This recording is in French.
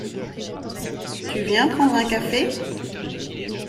Tu viens prendre un café?